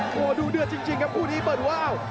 โหดูเดือดจริงครับผู้ที่เปิดหัวอ้าว